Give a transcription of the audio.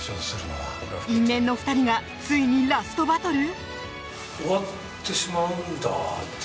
因縁の２人がついにラストバトル。